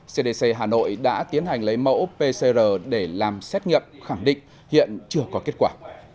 cdc hà nội đã tiến hành lấy mẫu pcr để làm xét nghiệm khẳng định hiện chưa có kết quả